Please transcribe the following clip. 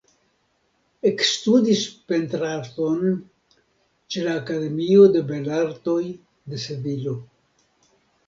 Ekstudis pentrarton ĉe la Akademio de Belartoj de Sevilo.